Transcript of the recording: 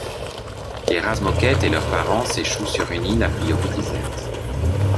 Les Razmoket et leurs parents s'échouent sur une île à priori déserte.